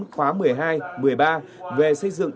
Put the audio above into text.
khóa một mươi hai một mươi ba về xây dựng